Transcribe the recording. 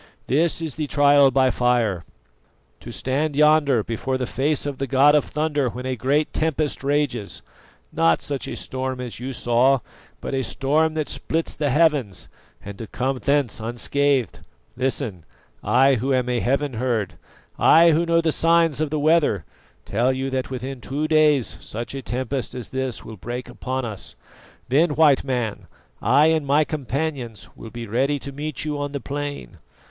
This is the trial by fire: to stand yonder before the face of the god of thunder when a great tempest rages not such a storm as you saw, but a storm that splits the heavens and to come thence unscathed. Listen: I who am a 'heaven herd,' I who know the signs of the weather, tell you that within two days such a tempest as this will break upon us. Then White Man, I and my companions will be ready to meet you on the plain.